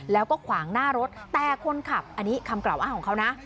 แล้วก็ขวางหน้ารถแต่คนขับอันนี้คำกล่าวอ้างของเขานะ